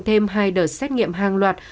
thêm hai đợt xét nghiệm hàng loạt